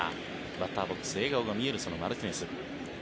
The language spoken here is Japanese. バッターボックス笑顔が見えるそのマルティネス。